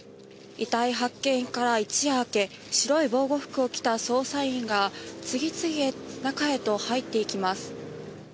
遺体発見から一夜明け白い防護服を着た捜査員が次々、中へと入っていきます。